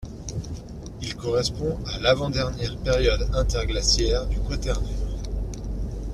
Il correspond à l'avant-dernière période interglaciaire du Quaternaire.